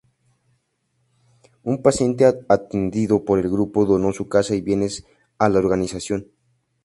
Un paciente atendido por el grupo donó su casa y bienes a la organización.